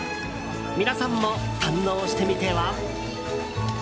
皆さんも堪能してみては？